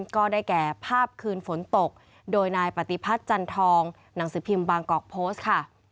ก็ได้แก่ภาพคืนฝนตกโดยนายปฏิพัฒน์จันทองหนังสือพิมพ์บางกอกโพสต์ค่ะ